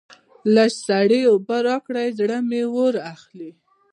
لږ سړې اوبه راکړئ؛ زړه مې اور اخلي.